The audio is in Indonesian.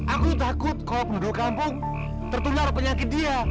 aku takut kalau penduduk kampung tertular penyakit dia